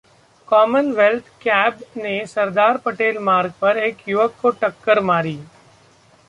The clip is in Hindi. कॉमनवेल्थ कैब ने सरदार पटेल मार्ग पर एक युवक को टक्कर मारी